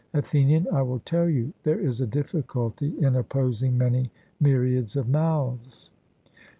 ATHENIAN: I will tell you. There is a difficulty in opposing many myriads of mouths.